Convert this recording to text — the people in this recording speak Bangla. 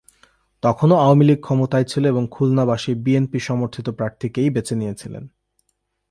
তখনো আওয়ামী লীগ ক্ষমতায় ছিল এবং খুলনাবাসী বিএনপি সমর্থিত প্রার্থীকেই বেছে নিয়েছিলেন।